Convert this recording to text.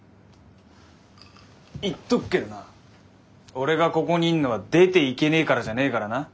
言っとくけどな俺がここにいんのは出ていけねえからじゃねえからな。